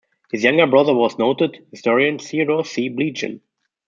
His younger brother was noted historian Theodore C. Blegen.